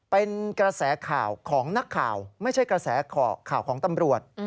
เป็นกระแสข่าวของนักข่าวไม่ใช่กระแสข่าวของตำรวจ